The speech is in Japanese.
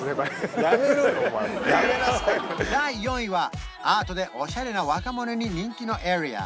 第４位はアートでオシャレな若者に人気のエリア